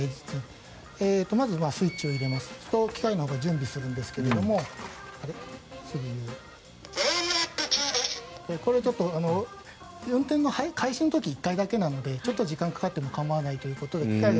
まずスイッチを入れますと機械が準備をするんですがこれちょっと、運転の開始の時１回だけなので時間がかかってもしょうがないということで。